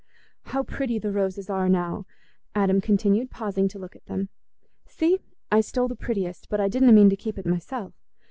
"How pretty the roses are now!" Adam continued, pausing to look at them. "See! I stole the prettiest, but I didna mean to keep it myself.